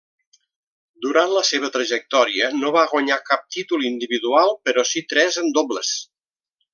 Durant la seva trajectòria no va guanyar cap títol individual però si tres en dobles.